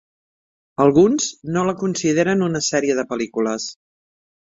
Alguns no la consideren una sèrie de pel·lícules.